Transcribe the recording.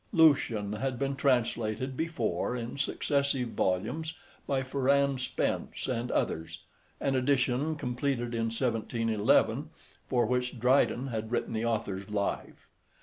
Lucian had been translated before in successive volumes by Ferrand Spence and others, an edition, completed in 1711, for which Dryden had written the author's Life.